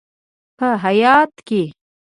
په هیات کې: